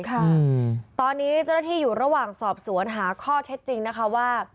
ค่ะตอนนี้เจ้าหน้าที่อยู่ระหว่างสอบสวนหาข้อเท็จจริงนะคะว่า